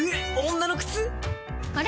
女の靴⁉あれ？